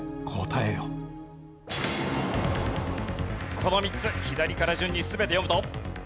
この３つ左から順に全て読むと？